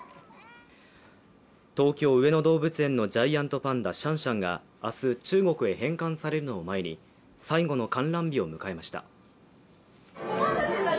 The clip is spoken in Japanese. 東京上野動物園のジャイアントパンダシャンシャンが明日、中国へ返還されるのを前に最後の観覧日を迎えました。